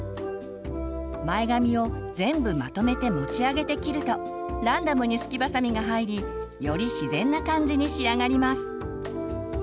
前髪を全部まとめて持ち上げて切るとランダムにスキバサミが入りより自然な感じに仕上がります。